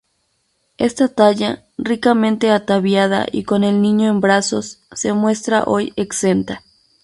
Esta talla, ricamente ataviada y con el Niño en brazos, se muestra hoy exenta.